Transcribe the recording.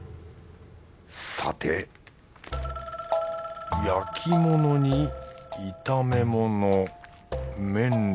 さて焼き物に炒め物麺類。